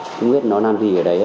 không biết nó nằm gì ở đấy